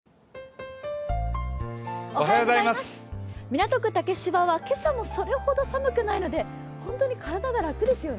港区竹芝は今朝もそれほど寒くないので、本当に体が楽ですよね。